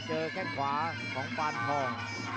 เจอแค่งขวาของฟานทอง